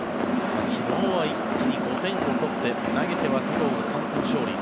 昨日は一気に５点を取って投げては加藤が完封勝利。